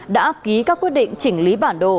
đã ký các quyết định chỉnh lý bản đồ